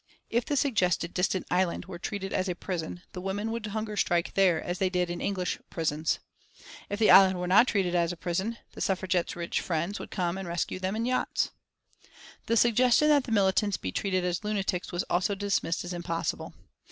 If the suggested distant island were treated as a prison the women would hunger strike there as they did in English prisons. If the island were not treated as a prison, the Suffragettes' rich friends would come and rescue them in yachts. The suggestion that the militants be treated as lunatics was also dismissed as impossible.